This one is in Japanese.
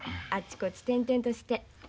あっちこっち転々として。